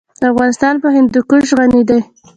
افغانستان په هندوکش غني دی.